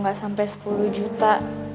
gak sampe sepuluh juta